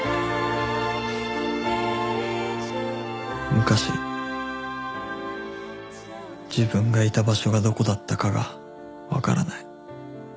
昔自分がいた場所がどこだったかがわからない